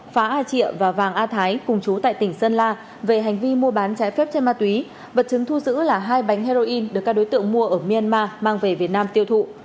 phá a triệu và vàng a thái cùng chú tại tỉnh sơn la về hành vi mua bán trái phép trên ma túy vật chứng thu giữ là hai bánh heroin được các đối tượng mua ở myanmar mang về việt nam tiêu thụ